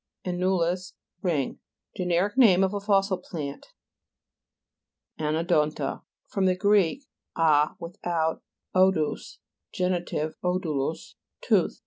annulus, ring. Generic name of a fossil plant, (p. 41.) ANOIIO'NTA fr. gr. a, without; odous (genitive, odoutos), tooth.